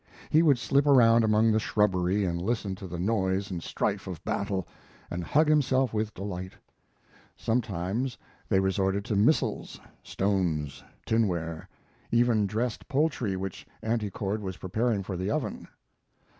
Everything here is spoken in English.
He would slip around among the shrubbery and listen to the noise and strife of battle, and hug himself with delight. Sometimes they resorted to missiles stones, tinware even dressed poultry which Auntie Cord was preparing for the oven.